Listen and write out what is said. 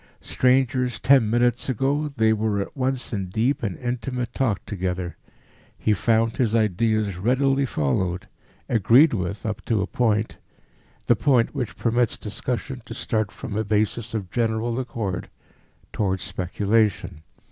Strangers ten minutes ago, they were at once in deep and intimate talk together. He found his ideas readily followed, agreed with up to a point the point which permits discussion to start from a basis of general accord towards speculation.